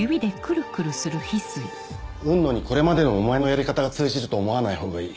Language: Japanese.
雲野にこれまでのお前のやり方が通じると思わないほうがいい。